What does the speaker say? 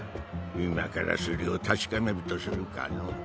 今からそれを確かめるとするかの。